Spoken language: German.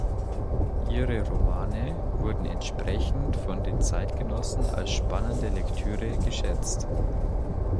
Ihre Romane wurden entsprechend von den Zeitgenossen als spannende Lektüre geschätzt.